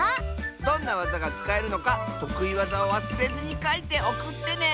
どんなわざがつかえるのかとくいわざをわすれずにかいておくってね！